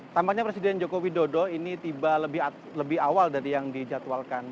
tampaknya presiden joko widodo ini tiba lebih awal dari yang dijadwalkan